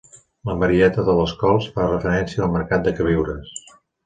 La Marieta de les Cols fa referència al mercat de queviures.